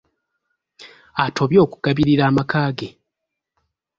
Atobye okugabirira amakaage.